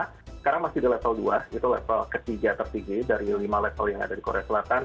sekarang masih di level dua itu level ketiga tertinggi dari lima level yang ada di korea selatan